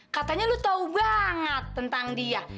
katanya lu tahu banget tentang dia